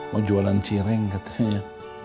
mau jualan cireng katanya